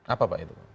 apa pak itu